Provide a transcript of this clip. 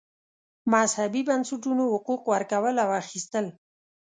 مذهبي بنسټونو حقوق ورکول او اخیستل.